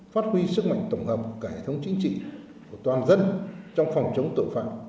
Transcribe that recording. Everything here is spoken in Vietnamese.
phát huy sức mạnh tổng hợp cải thống chính trị của toàn dân trong phòng chống tội phạm